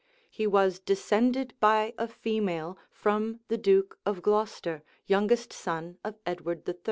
He was descended by a female from the duke of Glocester, youngest son of Edward III.